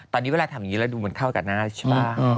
ตอนนี้เวลาทำอย่างนี้แล้วดูมันเข้ากับหน้าใช่ป่ะ